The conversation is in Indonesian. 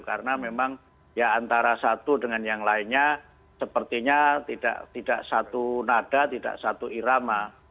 karena memang ya antara satu dengan yang lainnya sepertinya tidak satu nada tidak satu irama